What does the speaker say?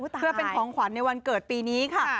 เพื่อเป็นของขวัญในวันเกิดปีนี้ค่ะ